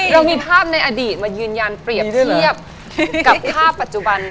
เรามีภาพในอดีตมายืนยันเปรียบเทียบกับภาพปัจจุบัน